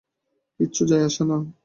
কিচ্ছু যায় আসে না।